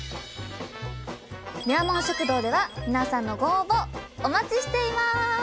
ミラモン食堂では皆さんのご応募お待ちしています！